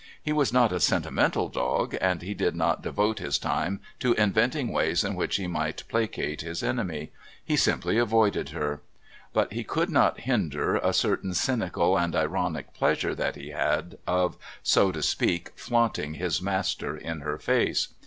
He was not a sentimental dog, and he did not devote his time to inventing ways in which he might placate his enemy, he simply avoided her. But he could not hinder a certain cynical and ironic pleasure that he had of, so to speak, flaunting his master in her face.